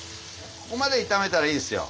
ここまで炒めたらいいですよ